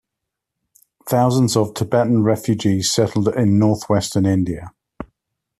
Thousands of Tibetan refugees settled in northwestern India.